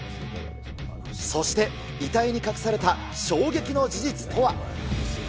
そして、遺体に隠された衝撃の事実とは。